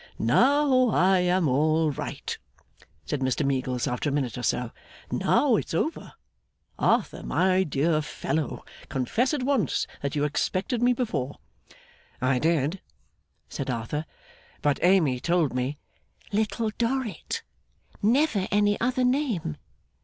'Now I am all right,' said Mr Meagles, after a minute or so. 'Now it's over. Arthur, my dear fellow, confess at once that you expected me before.' 'I did,' said Arthur; 'but Amy told me ' 'Little Dorrit. Never any other name.